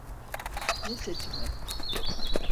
Ne seçimi?